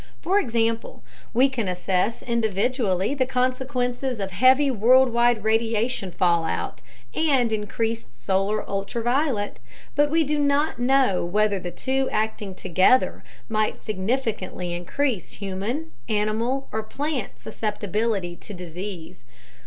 For example, we can assess individually the consequences of heavy worldwide radiation fallout and increased solar ultraviolet, but we do not know whether the two acting together might significantly increase human, animal, or plant susceptibility to disease.